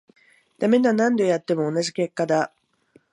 ダメだ、何度やっても同じ結果だ